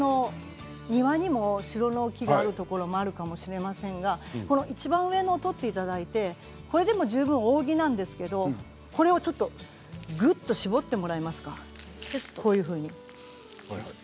シュロの木がある人もいるかもしれませんがいちばん上のものを取っていただいてこれでも十分大木なんですけれどぐっと絞ってもらえますか。